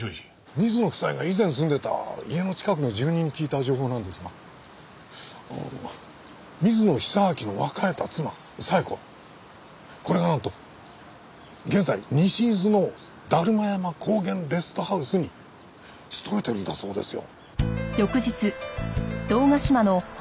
水野夫妻が以前住んでた家の近くの住人に聞いた情報なんですが水野久明の別れた妻冴子これがなんと現在西伊豆のだるま山高原レストハウスに勤めてるんだそうですよ。